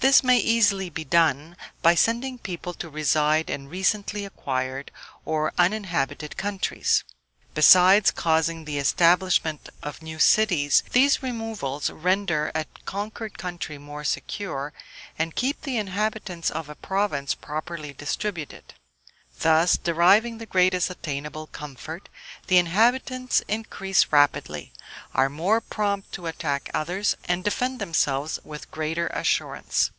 This may easily be done, by sending people to reside in recently acquired or uninhabited countries. Besides causing the establishment of new cities, these removals render a conquered country more secure, and keep the inhabitants of a province properly distributed. Thus, deriving the greatest attainable comfort, the inhabitants increase rapidly, are more prompt to attack others, and defend themselves with greater assurance.